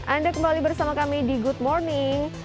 anda kembali bersama kami di good morning